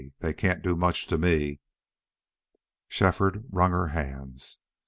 They can't do much to me." Shefford wrung her hands.